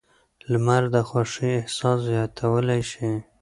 لمر د خوښۍ احساس زیاتولی شي.